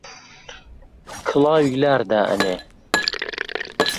کڵاوی لار دائەنێ